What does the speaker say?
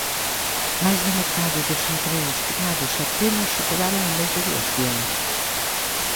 Máis da metade dos empregos creados apenas superaron o mes de duración.